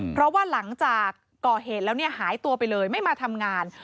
เพราะว่าหลังจากก่อเหตุแล้วเนี่ยหายตัวไปเลยไม่มาทำงาน